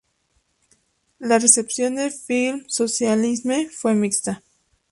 La recepción de "Film Socialisme" fue mixta.